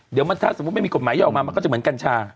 เดี๋ยวถ้าสมมุติไม่มีกฎหมายออกมามันก็จะเหมือนกัญชา